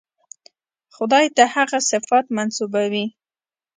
خدای ته هغه صفات منسوبوي.